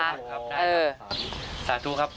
ได้ครับสาธุครับ